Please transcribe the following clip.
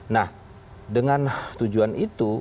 nah dengan tujuan itu